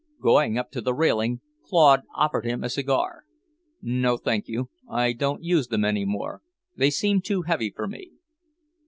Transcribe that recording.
Going up to the railing, Claude offered him a cigar. "No, thank you. I don't use them any more. They seem too heavy for me."